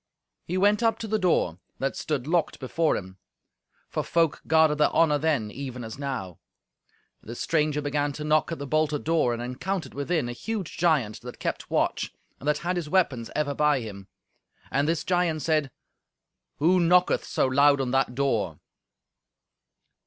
He went up to the door, that stood locked before him. For folk guarded their honour then, even as now. The stranger began to knock at the bolted door, and encountered within a huge giant that kept watch, and that had his weapons ever by him. And this giant said, "Who knocketh so loud on that door?"